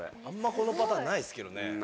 あんまこのパターンないですけどね。